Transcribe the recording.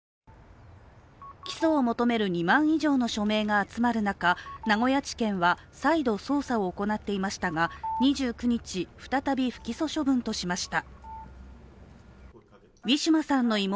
起訴を求める２万以上の署名が集まる中名古屋地検は再度、捜査を行っていましたが２９日、再び不起訴処分としました。